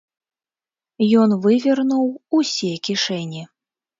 Ён вывернуў усе кішэні.